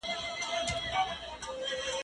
زه مخکي سبزېجات خوړلي وو!؟